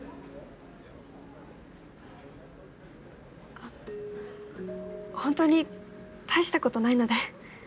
あホントに大したことないので。